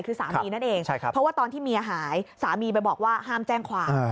คือสามีนั่นเองเพราะว่าตอนที่เมียหายสามีไปบอกว่าห้ามแจ้งความ